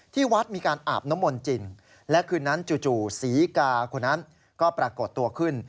ที่วัดมีการอาบน้ำมนต์จริงและคืนนั้นจู่ศรีกาคนนั้นก็ปรากฏตัวขึ้น